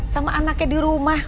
sama anaknya di rumah